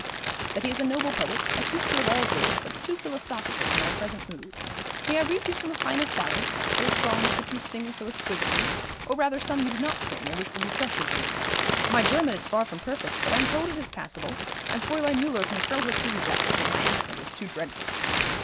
'That he is a noble poet, a teacher of all good; but too philosophical for my present mood. May I read you some of Heine's ballads, those songs which you sing so exquisitely, or rather some you do not sing, and which will be fresher to you. My German is far from perfect, but I am told it is passable, and Fräulein Müller can throw her scissors at me when my accent is too dreadful.'